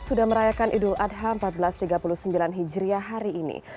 sudah merayakan idul adha seribu empat ratus tiga puluh sembilan hijriah hari ini